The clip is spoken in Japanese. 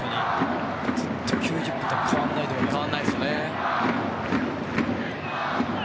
ずっと９０分変わらないと思いますね。